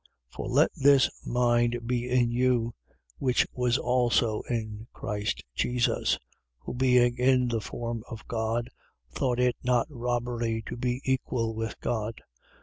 2:5. For let this mind be in you, which was also in Christ Jesus: 2:6. Who being in the form of God, thought it not robbery to be equal with God: 2:7.